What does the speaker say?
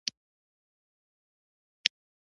د لرې واټن تجارت پر کانګو یې هم اغېز وښند.